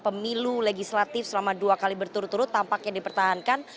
pemilu legislatif selama dua kali berturut turut tampaknya dipertahankan